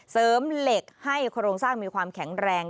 เสริมเหล็กให้โครงสร้างมีความแข็งแรง